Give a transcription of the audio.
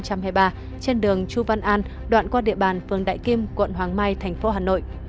trên đường chu văn an đoạn qua địa bàn phường đại kim quận hoàng mai thành phố hà nội